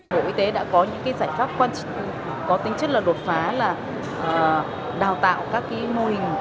bộ y tế đã có những giải pháp có tính chất là đột phá là đào tạo các mô hình